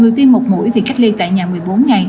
người tiêm một mũi thì cách ly tại nhà một mươi bốn ngày